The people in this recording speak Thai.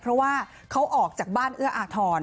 เพราะว่าเขาออกจากบ้านเอื้ออาทร